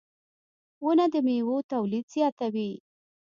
• ونه د میوو تولید زیاتوي.